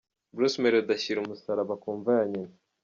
Bruce Melody ashyira umusaraba ku mva ya nyina.